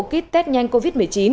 kit test nhanh covid một mươi chín